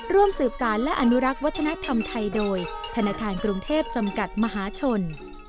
ร่วมสืบสารและอนุรักษ์วัฒนธรรมไทยโดยธนาคารกรุงเทพจำกัดมหาชน